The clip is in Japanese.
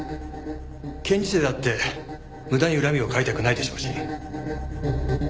検事正だって無駄に恨みを買いたくないでしょうし。